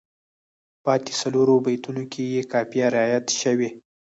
په پاتې څلورو بیتونو کې یې قافیه رعایت شوې.